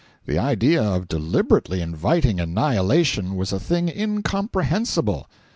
The idea of deliberately inviting annihilation was a thing incomprehensible.